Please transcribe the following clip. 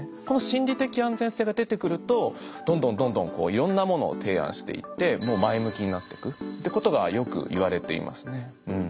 この心理的安全性が出てくるとどんどんどんどんいろんなものを提案していって前向きになっていくってことがよく言われていますね。